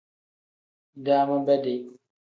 Daama bedi.